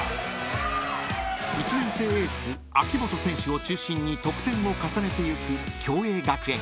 ［１年生エース秋本選手を中心に得点を重ねてゆく共栄学園］